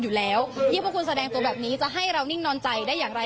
อยู่แล้วยิ่งพวกคุณแสดงตัวแบบนี้จะให้เรานิ่งนอนใจได้อย่างไร